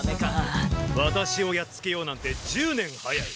ワタシをやっつけようなんて１０年早い。